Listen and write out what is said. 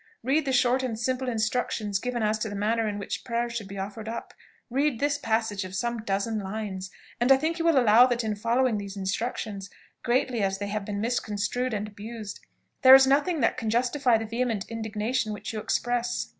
Read the short and simple instructions given as to the manner in which prayer should be offered up read this passage of some dozen lines, and I think you will allow that in following these instructions, greatly as they have been misconstrued and abused, there is nothing that can justify the vehement indignation which you express."